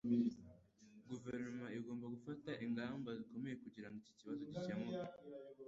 Guverinoma igomba gufata ingamba zikomeye kugirango iki kibazo gikemuke.